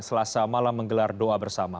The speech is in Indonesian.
selasa malam menggelar doa bersama